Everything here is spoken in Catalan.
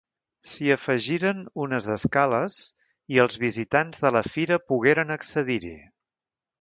S'hi afegiren unes escales i els visitants de la Fira pogueren accedir-hi.